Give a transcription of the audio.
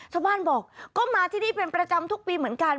ชาวบ้านบอกก็มาที่นี่เป็นประจำทุกปีเหมือนกัน